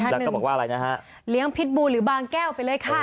อีกท่านหนึ่งเรียงพิษบูหรือบางแก้วไปเลยค่ะ